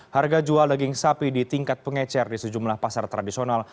harga jual daging sapi di tingkat pengecer di sejumlah pasar tradisional